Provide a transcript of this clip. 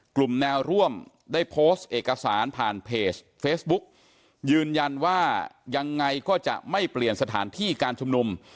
กลุ่มแนวร่วมได้โพสต์เอกสารผ่านเพจเฟซบุ๊กยืนยันว่ายังไงก็จะไม่เปลี่ยนสถานที่การชุมนุม